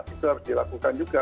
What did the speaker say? itu harus dilakukan juga